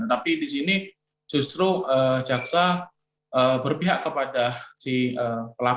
tapi di sini justru jaksa berpihak kepada si pelaku